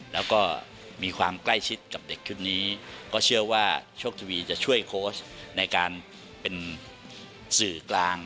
แล้วก็มีความใกล้ชิดกับเด็กชุดนี้ก็เชื่อว่าโชคทวีจะช่วยโค้ชในการเป็นสื่อกลาง